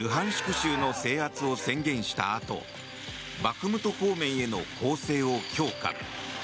州の制圧を宣言したあとバフムト方面への攻勢を強化。